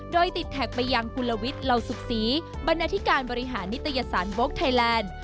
โดยติดแท็กไปยังกุลวิทย์เหล่าสุขศรีบรรณาธิการบริหารนิตยสารโบ๊คไทยแลนด์